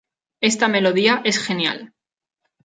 Esta melodía es genial.